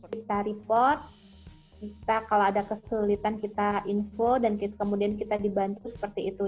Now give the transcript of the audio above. kita report kita kalau ada kesulitan kita info dan kemudian kita dibantu seperti itu